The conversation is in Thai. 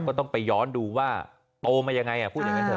ก็ต้องไปย้อนดูว่าโตมายังไงพูดอย่างนั้นเถ